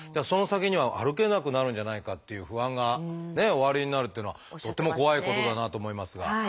その先には歩けなくなるんじゃないかっていう不安がおありになるっていうのはとっても怖いことだなと思いますが。